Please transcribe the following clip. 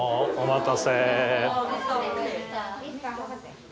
お待たせ。